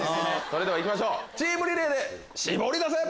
それでは行きましょうチームリレーでシボリダセ！